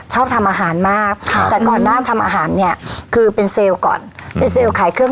ชอบทำอาหารมากแต่ก่อนหน้าทำอาหารเนี้ยคือเป็นเซลล์ก่อน